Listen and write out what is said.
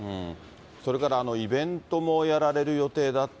それからイベントもやられる予定だった。